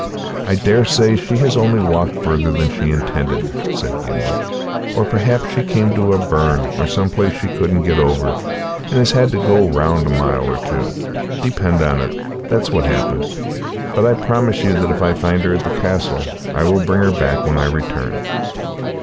"I daresay she has only walked farther than she intended," said Gimblet, "or perhaps she came to a burn or some place she couldn't get over, and has had to go round a mile or two. Depend on it, that's what's happened. But I promise you that if she is at the castle I will bring her back when I return."